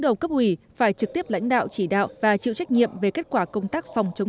đầu cấp ủy phải trực tiếp lãnh đạo chỉ đạo và chịu trách nhiệm về kết quả công tác phòng chống